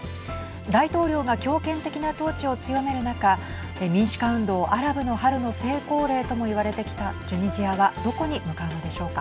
大統領が強権的な統治を強める中民主化運動、アラブの春の成功例とも言われてきたチュニジアはどこに向かうのでしょうか。